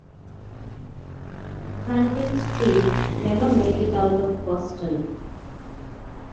"Franklin Street" never made it out of Boston.